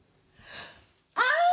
ああ！